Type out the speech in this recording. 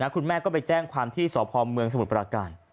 คุณแม่ก็ไปแจ้งความที่สพเมืองสมุทรปราการ